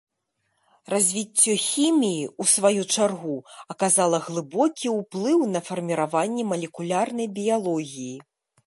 Развіццё хіміі, у сваю чаргу, аказала глыбокі ўплыў на фарміраванне малекулярнай біялогіі.